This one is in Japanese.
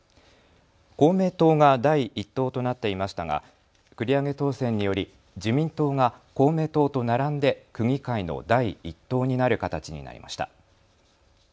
公明党が第１党となっていましたが繰り上げ当選により自民党が公明党と並んで区議会の第１党になる形になりました。